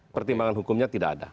pertimbangan hukumnya tidak ada